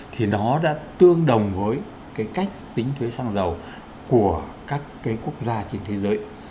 thì nó đã tương đồng với cái cách tính thuế xăng dầu của các cái quốc gia trên thế giới